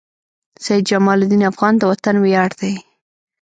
سيد جمال الدین افغان د وطن وياړ دي.